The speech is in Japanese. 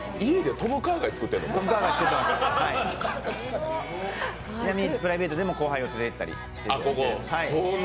トムカーガイ作ってます、ちなみにプライベートでも後輩を連れていってます。